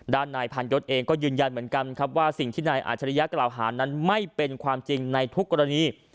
ด้านนายพันยศเองก็ยืนยันเหมือนกันครับว่าสิ่งที่นายอาจริยะกล่าวหานั้นไม่เป็นความจริงในทุกกรณี